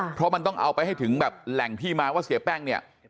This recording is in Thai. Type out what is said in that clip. เพราะมันต้องเอาไปให้ถึงแบบแหล่งที่มาว่าเสียแป้งเนี่ย